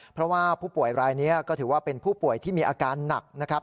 เพราะว่าผู้ป่วยรายนี้ก็ถือว่าเป็นผู้ป่วยที่มีอาการหนักนะครับ